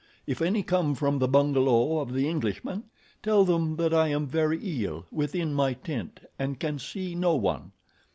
If any come from the bungalow of the Englishman, tell them that I am very ill within my tent and can see no one.